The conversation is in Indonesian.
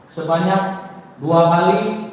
sebanyak dua kali